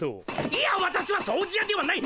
いやわたしは「掃除や」ではない！